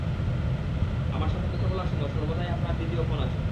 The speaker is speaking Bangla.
আমার সাথে কথা বলার সময় সর্বদাই আপনার দ্বিতীয় ফোন আসে।